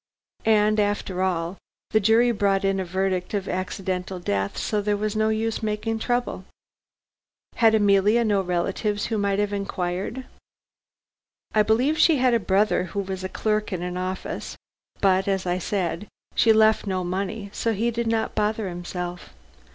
And after all, the jury brought in a verdict of accidental death, so there was no use making trouble." "Had Emilia no relatives who might have made inquiries?" "I believe she had a brother who was a clerk in an office, but, as I said, she left no money, so he did not bother himself.